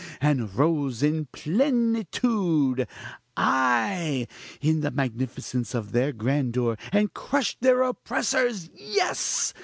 and rose in plenitude, ay! in the magnificence of their grandeur, and crushed their oppressors! yes!